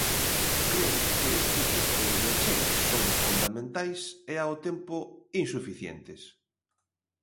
Cre que este tipo de achegas son fundamentais e ao tempo insuficientes.